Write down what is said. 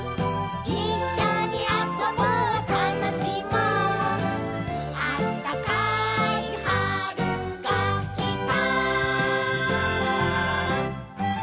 「いっしょにあそぼうたのしもう」「あったかいはるがきた」